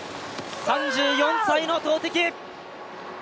３４歳の投てき。